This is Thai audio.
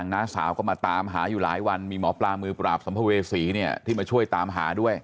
น้าสาวก็มาตามหาอยู่หลายวันมีหมอปลามือปราบสัมภเวษีเนี่ยที่มาช่วยตามหาด้วย